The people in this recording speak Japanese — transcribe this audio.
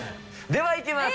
ではいきます。